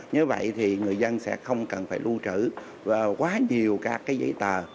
như vậy thì người dân sẽ không cần phải lưu trữ quá nhiều các giấy tờ